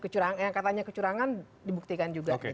karena itu yang katanya kecurangan dibuktikan juga